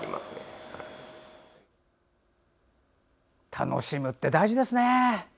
楽しむって大事ですね。